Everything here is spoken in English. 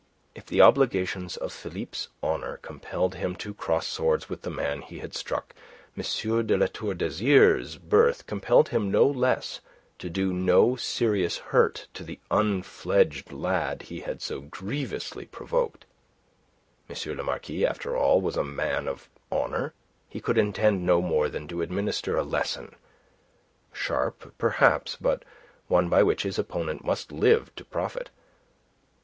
If the obligations of Philippe's honour compelled him to cross swords with the man he had struck, M. de La Tour d'Azyr's birth compelled him no less to do no serious hurt to the unfledged lad he had so grievously provoked. M. le Marquis, after all, was a man of honour. He could intend no more than to administer a lesson; sharp, perhaps, but one by which his opponent must live to profit.